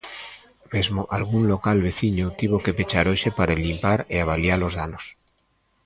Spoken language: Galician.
Mesmo algún local veciño tivo que pechar hoxe para limpar e avaliar os danos.